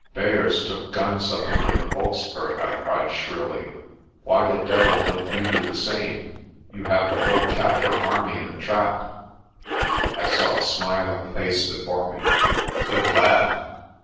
"Beyers took guns up into the Wolkberg," I cried shrilly. "Why the devil don't you do the same? You have the whole Kaffir army in a trap." I saw a smiling face before me. "Good lad.